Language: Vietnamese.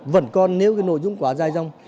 vẫn còn nếu nội dung quá dài dòng